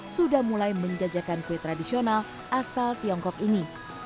sudah mulai menjajakan kue tradisional asal tiongkok ini